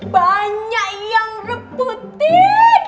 banyak yang reputin